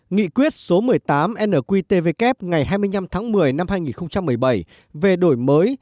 nghị quyết số một mươi tám nqtvk ngày hai mươi năm tháng một mươi năm hai nghìn một mươi bảy về đổi mới